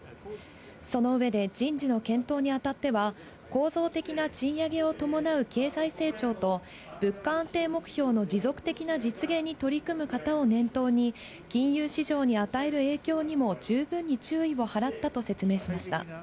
その上で、人事の検討にあたっては、構造的な賃上げを伴う経済成長と、物価安定目標の持続的な実現に取り組む方を念頭に、金融市場に与える影響にも十分に注意を払ったと説明しました。